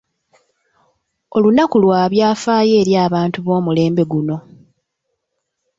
Olunaku lwa byafaayo eri abantu b'omulembe guno.